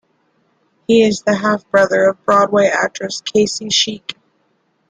He is the half brother of Broadway actress Kacie Sheik.